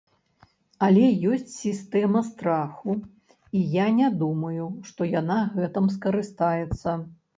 Але ёсць сістэма страху, і я не думаю, што яна гэтым скарыстаецца.